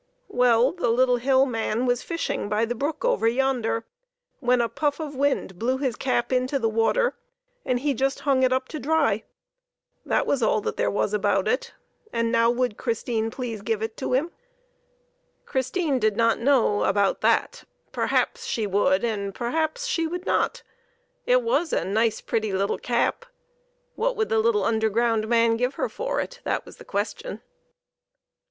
Well, the little hill man was fishing by the brook over yonder when a puff of wind blew his cap into the water, and he just hung it up to dry. That was all that there was about it ; and now would Christine please give it to him ? Christine did not know how about that ; perhaps she would and perhaps she would not. It was a nice, pretty little cap; what would the little underground man give her for it? that was the question.